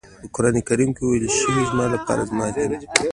په قرآن کریم کې ويل شوي زما لپاره زما دین.